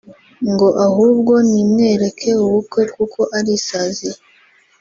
ngo ahubwo nimwereke ubukwe kuko arisaziye